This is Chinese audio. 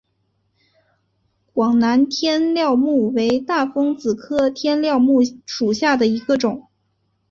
广南天料木为大风子科天料木属下的一个种。